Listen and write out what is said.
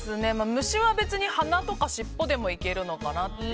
虫は別に鼻とか尻尾でもいけるのかなと。